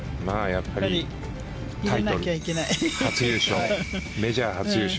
やっぱりタイトル初優勝。